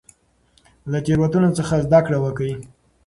له تیروتنو څخه زده کړه وکړئ.